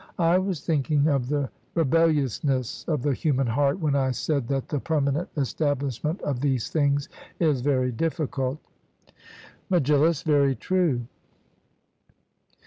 I was thinking of the rebelliousness of the human heart when I said that the permanent establishment of these things is very difficult. MEGILLUS: Very true.